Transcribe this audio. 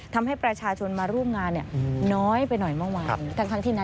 ทำให้ประชาชนมาร่วมงานเนี่ยน้อยไปหน่อยเมื่อวาน